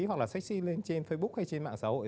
hoặc là sách lên trên facebook hay trên mạng xã hội